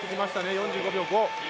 ４５秒５。